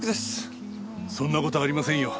そんな事はありませんよ。